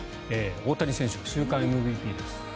大谷翔平選手が週間ＭＶＰです。